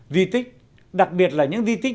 di tích đặc biệt là những di tích